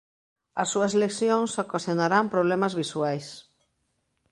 As súas lesións ocasionarán problemas visuais.